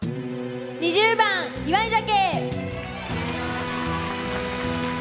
２０番「祝い酒」。